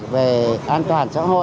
về an toàn xã hội